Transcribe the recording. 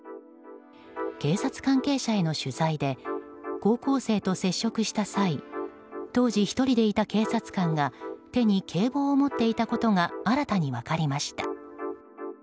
警察関係者への取材で高校生と接触した際当時、１人でいた警察官が手に警棒を持っていたことが新たに分かりました。